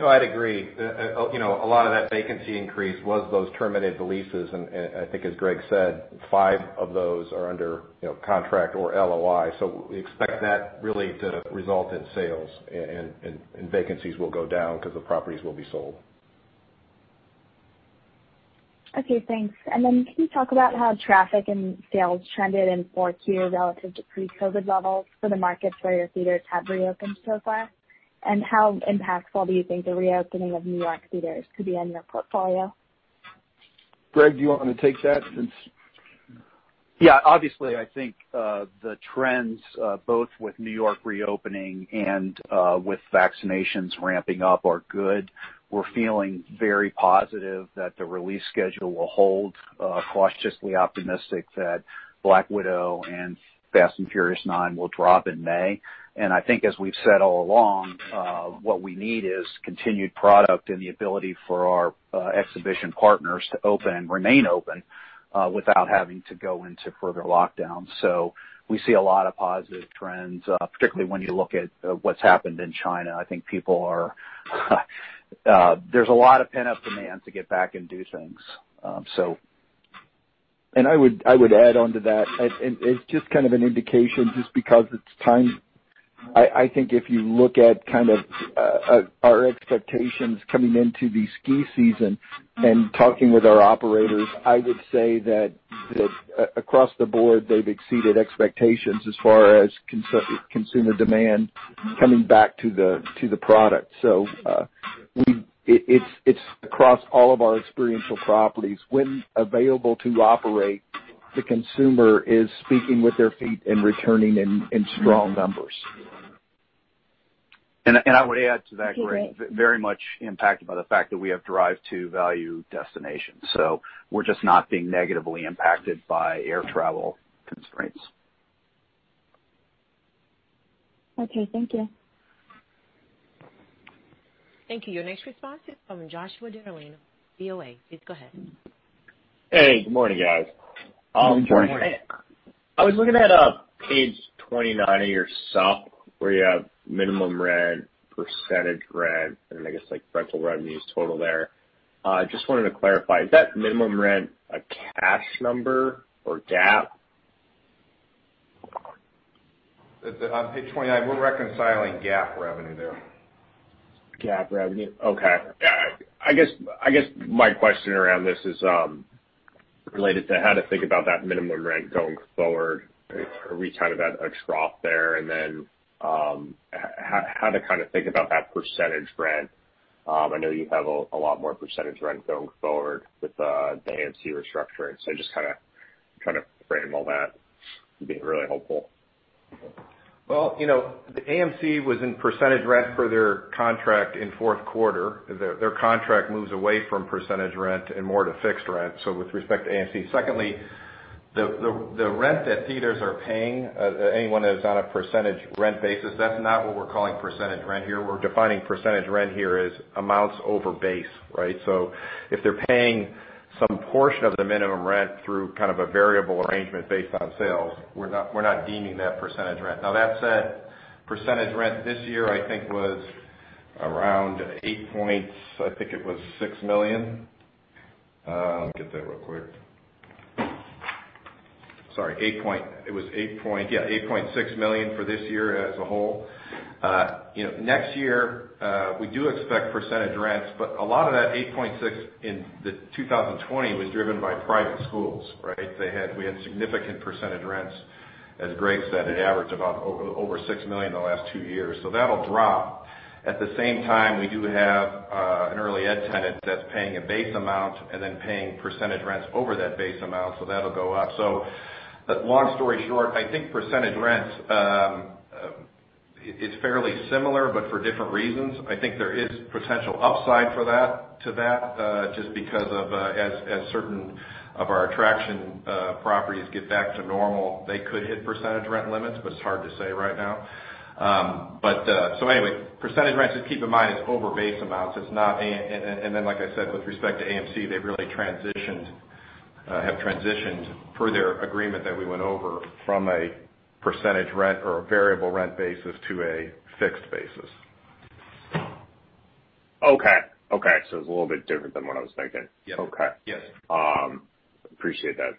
No, I'd agree. A lot of that vacancy increase was those terminated leases, and I think, as Greg said, five of those are under contract or LOI. We expect that really to result in sales, and vacancies will go down because the properties will be sold. Okay, thanks. Can you talk about how traffic and sales trended in Q4 relative to pre-COVID levels for the markets where your theaters have reopened so far? How impactful do you think the reopening of New York theaters could be on your portfolio? Greg, do you want to take that since... Yeah. Obviously, I think, the trends, both with New York reopening and with vaccinations ramping up are good. We're feeling very positive that the release schedule will hold, cautiously optimistic that "Black Widow" and "Fast & Furious 9" will drop in May. I think as we've said all along, what we need is continued product and the ability for our exhibition partners to open and remain open without having to go into further lockdown. We see a lot of positive trends, particularly when you look at what's happened in China. I think there's a lot of pent-up demand to get back and do things. I would add onto that. It's just kind of an indication just because it's time. I think if you look at kind of our expectations coming into the ski season and talking with our operators, I would say that across the board, they've exceeded expectations as far as consumer demand coming back to the product. It's across all of our experiential properties. When available to operate, the consumer is speaking with their feet and returning in strong numbers. I would add to that, Katy. Great. --It very much impacted by the fact that we have drive-to value destinations. We're just not being negatively impacted by air travel constraints. Okay, thank you. Thank you. Your next response is from Joshua Dennerlein of BoA. Please go ahead. Hey, good morning, guys. Good morning. Good morning. I was looking at page 29 of your supp, where you have minimum rent, percentage rent, and I guess like rental revenues total there. Just wanted to clarify, is that minimum rent a cash number or GAAP? On page 29, we're reconciling GAAP revenue there. GAAP revenue. Okay. Yeah. I guess my question around this is related to how to think about that minimum rent going forward. Are we kind of at a trough there? How to kind of think about that percentage rent. I know you have a lot more percentage rent going forward with the AMC restructuring, just kind of trying to frame all that would be really helpful. Well, AMC was in percentage rent for their contract in Q4. Their contract moves away from percentage rent and more to fixed rent. With respect to AMC. Secondly, the rent that theaters are paying, anyone that's on a percentage rent basis, that's not what we're calling percentage rent here. We're defining percentage rent here as amounts over base, right? If they're paying some portion of the minimum rent through kind of a variable arrangement based on sales, we're not deeming that percentage rent. That said, percentage rent this year, I think, was around $8.6 million. Let me get that real quick. Sorry. It was, yeah, $8.6 million for this year as a whole. Next year, we do expect percentage rents, but a lot of that $8.6 million in 2020 was driven by private schools, right? We had significant percentage rents. As Greg said, it averaged about over $6 million in the last two years. That'll drop. At the same time, we do have an early ed tenant that's paying a base amount and then paying percentage rents over that base amount, so that'll go up. Long story short, I think percentage rents, it's fairly similar, but for different reasons. I think there is potential upside to that, just because as certain of our attraction properties get back to normal, they could hit percentage rent limits, but it's hard to say right now. Anyway, percentage rents, just keep in mind, it's over base amounts. Then, like I said, with respect to AMC, they've really transitioned Have transitioned per their agreement that we went over from a percentage rent or a variable rent basis to a fixed basis. Okay. It's a little bit different than what I was thinking. Yes. Okay. Yes. Appreciate that.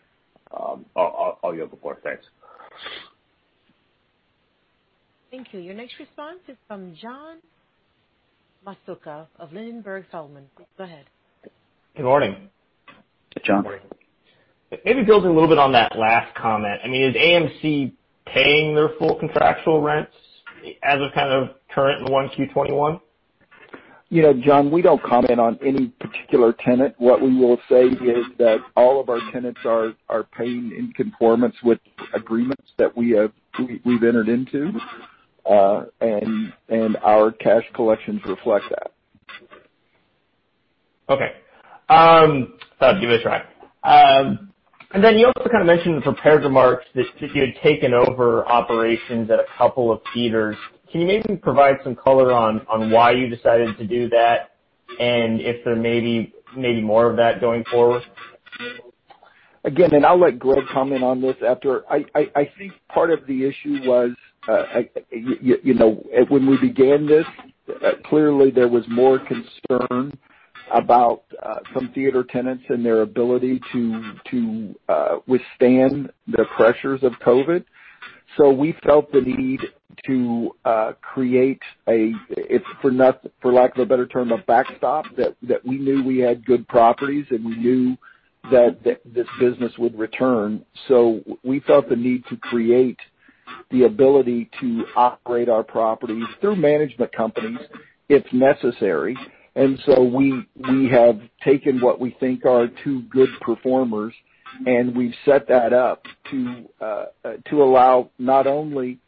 I'll yield the floor. Thanks. Thank you. Your next response is from John Massocca of Ladenburg Thalmann. Go ahead. Good morning. John, good morning. Maybe building a little bit on that last comment. Is AMC paying their full contractual rents as of kind of current in 1Q 2021? John, we don't comment on any particular tenant. What we will say is that all of our tenants are paying in conformance with agreements that we've entered into. Our cash collections reflect that. Okay. Thought I'd give it a try. You also kind of mentioned in the prepared remarks that you had taken over operations at a couple of theaters. Can you maybe provide some color on why you decided to do that, and if there may be more of that going forward? Again, I'll let Greg comment on this after. I think part of the issue was, when we began this, clearly there was more concern about some theater tenants and their ability to withstand the pressures of COVID. We felt the need to create a, for lack of a better term, a backstop, that we knew we had good properties, and we knew that this business would return. We felt the need to create the ability to operate our properties through management companies if necessary. We have taken what we think are two good performers, and we've set that up to allow not only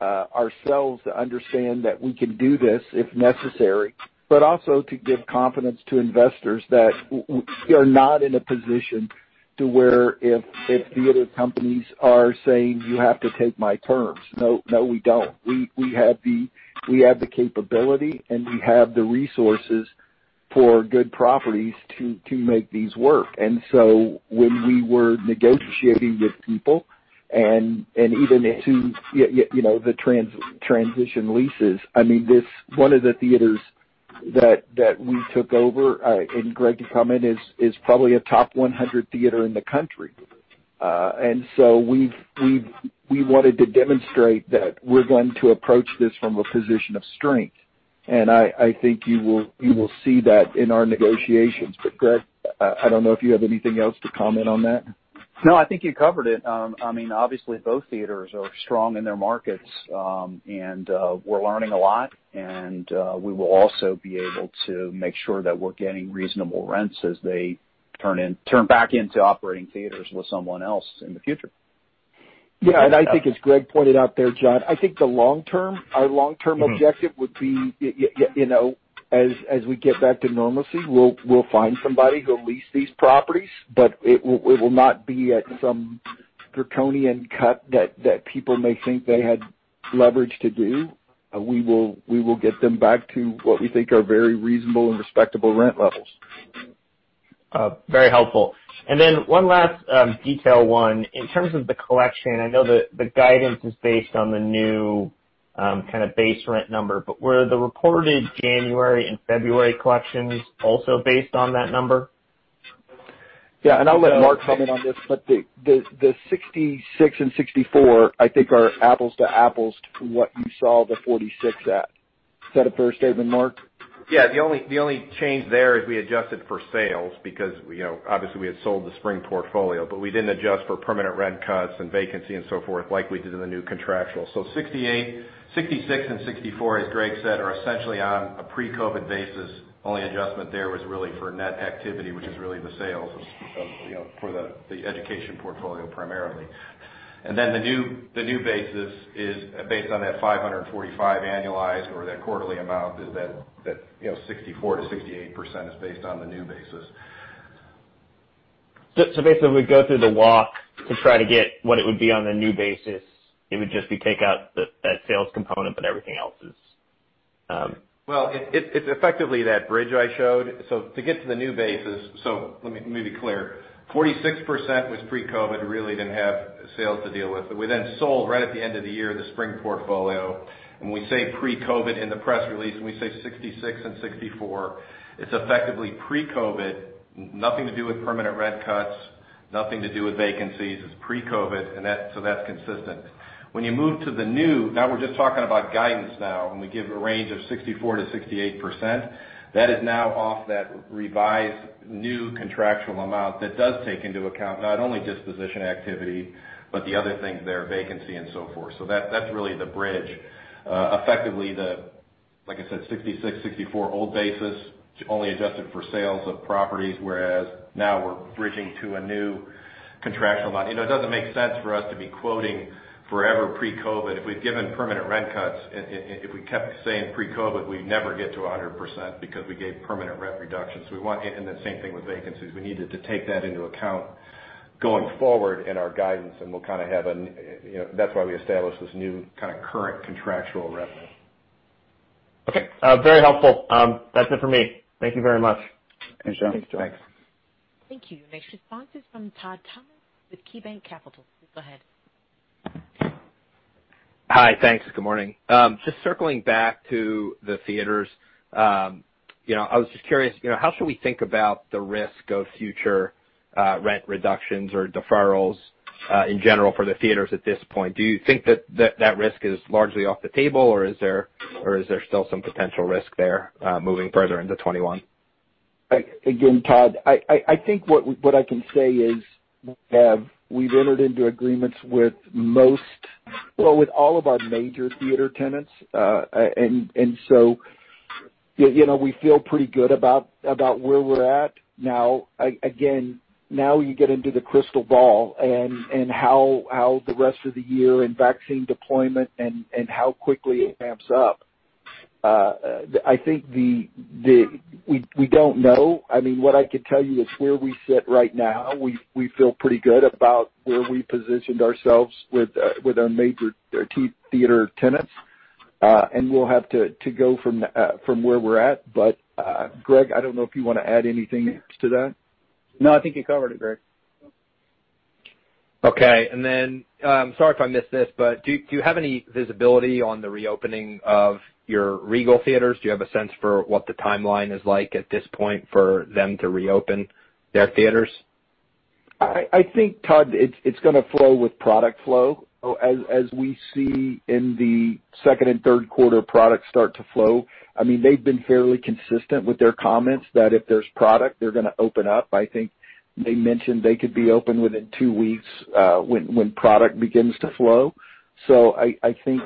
ourselves to understand that we can do this if necessary, but also to give confidence to investors that we are not in a position to where if theater companies are saying, "You have to take my terms." No, we don't. We have the capability, and we have the resources for good properties to make these work. When we were negotiating with people and even to the transition leases, one of the theaters that we took over, and Greg can comment, is probably a top 100 theater in the country. I think you will see that in our negotiations. Greg, I don't know if you have anything else to comment on that. No, I think you covered it. Obviously, both theaters are strong in their markets. We're learning a lot, and we will also be able to make sure that we're getting reasonable rents as they turn back into operating theaters with someone else in the future. Yeah. I think as Greg pointed out there, John, I think our long-term objective would be as we get back to normalcy, we'll find somebody who'll lease these properties, but it will not be at some draconian cut that people may think they had leverage to do. We will get them back to what we think are very reasonable and respectable rent levels. Very helpful. One last detail. In terms of the collection, I know the guidance is based on the new kind of base rent number, but were the reported January and February collections also based on that number? Yeah. I'll let Mark comment on this, but the 66% and 64%, I think, are apples to apples to what you saw the 46 at. Is that a fair statement, Mark? The only change there is we adjusted for sales because obviously we had sold the Spring Portfolio, but we didn't adjust for permanent rent cuts and vacancy and so forth like we did in the new contractual. 66% and 64%, as Greg said, are essentially on a pre-COVID basis. Only adjustment there was really for net activity, which is really the sales for the education portfolio primarily. The new basis is based on that $545 annualized or that quarterly amount is that 64%-68% is based on the new basis. Basically, we go through the walk to try to get what it would be on the new basis. It would just be take out that sales component, but everything else is... It's effectively that bridge I showed. To get to the new basis, let me be clear. 46% was pre-COVID, really didn't have sales to deal with. We then sold right at the end of the year, the Spring Portfolio. When we say pre-COVID in the press release, and we say 66% and 64%, it's effectively pre-COVID. Nothing to do with permanent rent cuts, nothing to do with vacancies. It's pre-COVID, that's consistent. When you move to the new, we're just talking about guidance now, and we give a range of 64%-68%. That is now off that revised new contractual amount that does take into account not only disposition activity, but the other things there, vacancy and so forth. That's really the bridge. Effectively the, like I said, 66%, 64% old basis only adjusted for sales of properties, whereas now we're bridging to a new contractual amount. It doesn't make sense for us to be quoting forever pre-COVID. If we've given permanent rent cuts, if we kept saying pre-COVID, we'd never get to 100% because we gave permanent rent reductions. The same thing with vacancies. We needed to take that into account going forward in our guidance, and that's why we established this new kind of current contractual revenue. Okay. Very helpful. That's it for me. Thank you very much. Thanks, John. Thank you. Next response is from Todd Thomas with KeyBanc Capital. Please go ahead. Hi, thanks. Good morning. Just circling back to the theaters, I was just curious, how should we think about the risk of future rent reductions or deferrals in general for the theaters at this point? Do you think that risk is largely off the table, or is there still some potential risk there, moving further into 2021? Again, Todd, I think what I can say is we've entered into agreements with all of our major theater tenants. We feel pretty good about where we're at now. Again, now you get into the crystal ball and how the rest of the year and vaccine deployment and how quickly it ramps up. We don't know. What I can tell you is where we sit right now, we feel pretty good about where we positioned ourselves with our major theater tenants. We'll have to go from where we're at. Greg, I don't know if you want to add anything to that. No, I think you covered it, Greg. Okay. Sorry if I missed this, but do you have any visibility on the reopening of your Regal theaters? Do you have a sense for what the timeline is like at this point for them to reopen their theaters? I think, Todd, it's going to flow with product flow. As we see in the second and third quarter, products start to flow. They've been fairly consistent with their comments that if there's product, they're going to open up. I think they mentioned they could be open within two weeks when product begins to flow. I think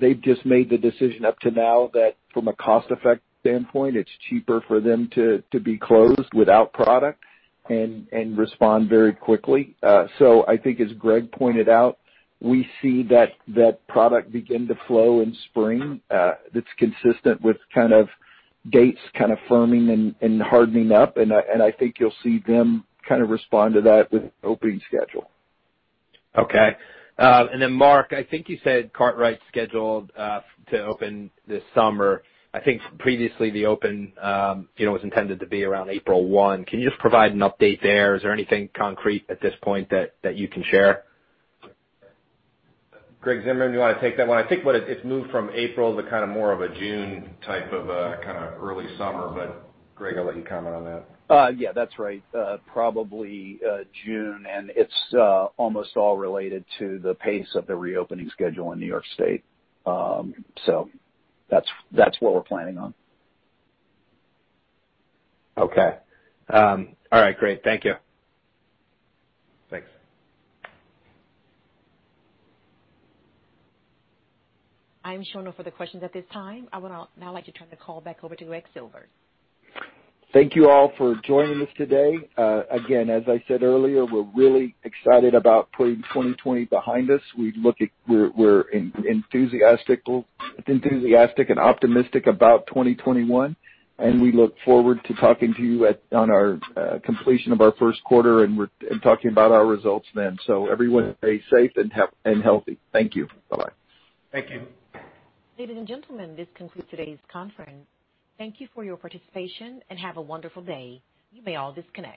they've just made the decision up to now that from a cost-effect standpoint, it's cheaper for them to be closed without product and respond very quickly. I think as Greg pointed out, we see that product begin to flow in spring. That's consistent with dates firming and hardening up, and I think you'll see them respond to that with opening schedule. Okay. Then Mark, I think you said Kartrite's scheduled to open this summer. I think previously the open was intended to be around April 1. Can you just provide an update there? Is there anything concrete at this point that you can share? Greg Zimmerman, do you want to take that one? I think it's moved from April to more of a June type of early summer. Greg, I'll let you comment on that. Yeah, that's right. Probably June, and it's almost all related to the pace of the reopening schedule in New York State. That's what we're planning on. Okay. All right, great. Thank you. Thanks. I am showing no further questions at this time. I would now like to turn the call back over to Greg Silvers. Thank you all for joining us today. Again, as I said earlier, we're really excited about putting 2020 behind us. We're enthusiastic and optimistic about 2021, we look forward to talking to you on our completion of our first quarter and talking about our results then. Everyone stay safe and healthy. Thank you. Bye-bye. Thank you. Ladies and gentlemen, this concludes today's conference. Thank you for your participation, and have a wonderful day. You may all disconnect.